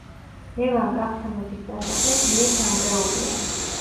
ლევან კახთა მეფის სასახლე ძლიერ დანგრეულია.